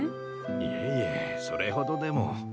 いえいえそれほどでも。